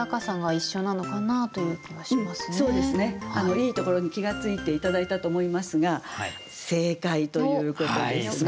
いいところに気が付いて頂いたと思いますが正解ということですね。